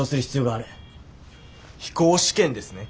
飛行試験ですね。